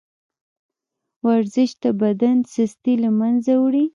ورزش د بدن سستي له منځه وړي.